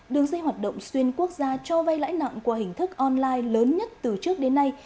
đường dây hoạt động xuyên quốc gia cho vay lãi nặng qua hình thức online lớn nhất từ trước đến nay